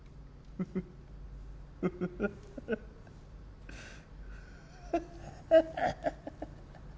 フフフ。ハハハ。